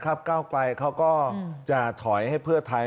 นะครับเก้าไกรเขาก็จะถอยให้เพื่อทัย